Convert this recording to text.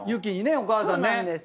お母さんね。